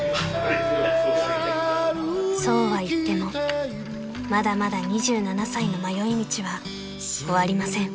［そうはいってもまだまだ２７歳の迷い道は終わりません］